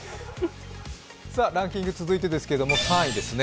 ランキング続いてですけれども、３位ですね。